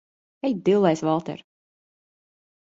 Ej dillēs, Valter!